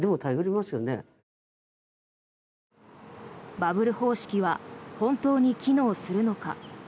バブル方式は本当に機能するのか。